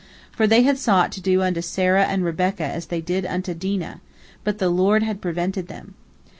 For they had sought to do unto Sarah and Rebekah as they did unto Dinah, but the Lord had prevented them.